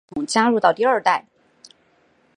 光学识别系统加入到第二代。